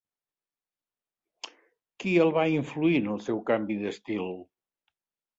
Qui el va influir en el seu canvi d'estil?